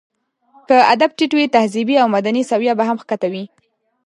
که ادب ټيت وي، تهذيبي او مدني سويه به هم ښکته وي.